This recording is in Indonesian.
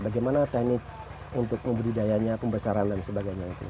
bagaimana teknik untuk membudidayanya pembesaran dan sebagainya itu